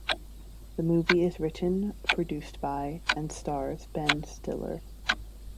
The movie is written, produced by and stars Ben Stiller.